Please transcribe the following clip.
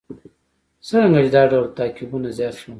څرنګه چې دا ډول تعقیبونه زیات شول.